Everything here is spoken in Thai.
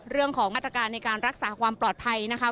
เรื่องของมาตรการในการรักษาความปลอดภัยนะคะ